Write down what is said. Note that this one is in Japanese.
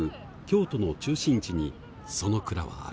京都の中心地にその蔵はある。